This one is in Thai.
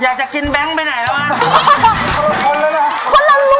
อยากจะกินแบบแบงบ์ไปไหนแล้ว